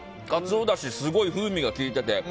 カツオだしすごい風味が効いてて。